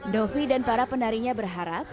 dovi dan para penarinya berharap